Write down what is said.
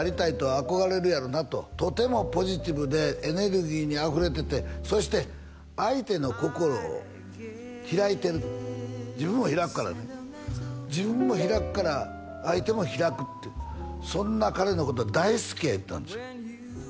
「憧れるやろうな」ととてもポジティブでエネルギーにあふれててそして相手の心を開いてる自分も開くからね自分も開くから相手も開くってそんな彼のことは大好きや言ったんですよ